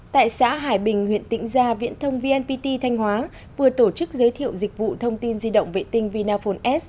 tại xã hải bình huyện tĩnh gia viễn thông vnpt thanh hóa vừa tổ chức giới thiệu dịch vụ